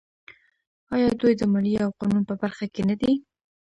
آیا دوی د مالیې او قانون په برخه کې نه دي؟